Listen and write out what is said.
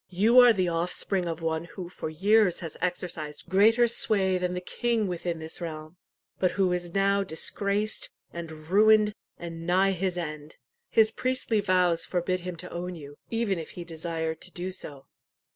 You are the offspring of one who for years has exercised greater sway than the king within this realm, but who is now disgraced and ruined, and nigh his end. His priestly vows forbid him to own you, even if he desired to do so."